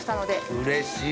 うれしい！